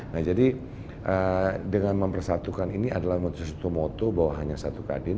nah jadi dengan mempersatukan ini adalah moto satu moto bahwa hanya satu kadin